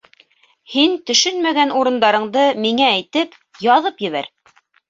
Һин төшөнмәгән урындарыңды миңә әйтеп, яҙып ебәр.